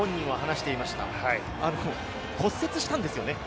骨折したんですよね？